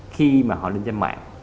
khi mà họ lên doanh mạng